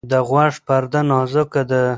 د غوږ پرده نازکه ده.